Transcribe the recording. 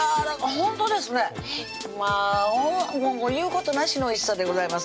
ほんとにまぁもう言うことなしのおいしさでございます